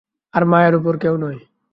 আর মায়ের উপরে কেউ নয়।